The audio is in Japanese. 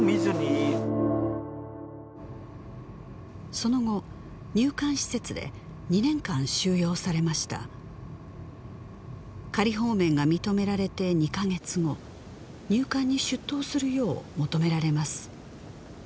その後入管施設で２年間収容されました仮放免が認められて２カ月後入管に出頭するよう求められます